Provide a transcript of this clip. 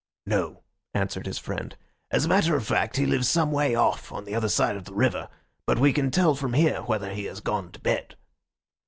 "No," answered his friend. "As a matter of fact he lives some way off, on the other side of the river, but we can tell from here whether he has gone to bed."